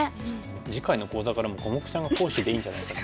次回の講座からもうコモクちゃんが講師でいいんじゃないかと。